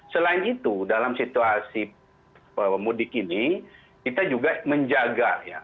selain itu dalam situasi pemudik ini kita juga menjaga ya